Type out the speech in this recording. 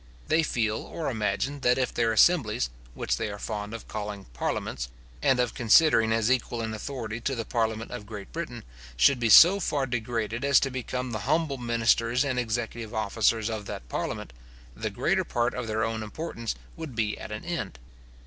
They feel, or imagine, that if their assemblies, which they are fond of calling parliaments, and of considering as equal in authority to the parliament of Great Britain, should be so far degraded as to become the humble ministers and executive officers of that parliament, the greater part of their own importance would be at an end.